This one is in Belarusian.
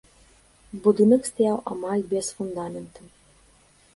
Будынак стаяў амаль без фундамента.